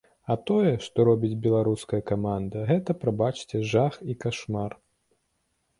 А тое, што робіць беларуская каманда, гэта, прабачце, жах і кашмар.